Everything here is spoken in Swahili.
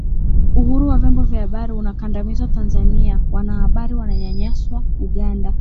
Uhuru wa vyombo vya habari unakandamizwa Tanzania Wanahabari wanyanyaswa Uganda